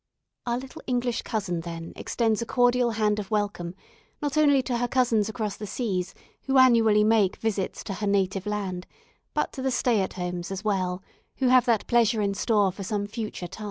"Our Little English Cousin," then, extends a cordial hand of welcome, not only to her cousins across the seas who annually make visits to her native land, but to the stay at homes as well, who have that pleasure in store for some future time.